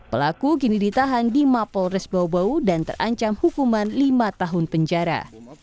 pelaku kini ditahan di mapolres bau bau dan terancam hukuman lima tahun penjara